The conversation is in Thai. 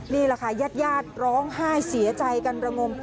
นี่แหละค่ะญาติญาติร้องไห้เสียใจกันระงม